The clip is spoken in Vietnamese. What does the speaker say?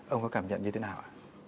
ông có cảm nhận như thế nào